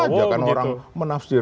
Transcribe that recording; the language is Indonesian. boleh saja kan orang menafsirkan